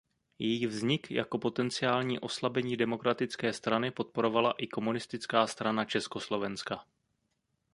Její vznik jako potenciální oslabení Demokratické strany podporovala i Komunistická strana Československa.